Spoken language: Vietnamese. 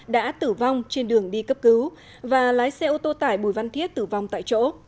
đã tử vong trên đường đi cấp cứu và lái xe ô tô tải bùi văn thiết tử vong tại chỗ